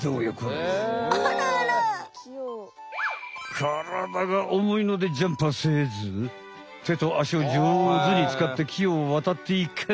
体がおもいのでジャンプはせず手と足をじょうずに使って木をわたっていく。